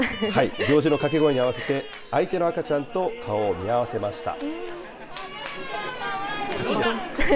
行司の掛け声に合わせて相手の赤ちゃんと顔を見合わせました。